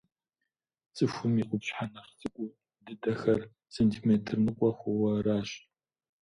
Цӏыхум и къупщхьэ нэхъ цӏыкӏу дыдэхэр сантиметр ныкъуэ хъууэ аращ.